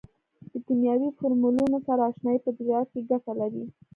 د کیمیاوي فورمولونو سره اشنایي په تجارت کې ګټه لري.